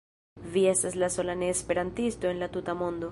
Vi estas la sola neesperantisto en la tuta mondo.